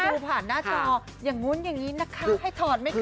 เราดูผ่านหน้าจออย่างนู้นอย่างนี้นะคะให้ทอดไม่กลับ